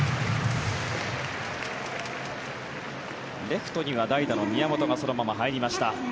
レフトには代打の宮本がそのまま入りました。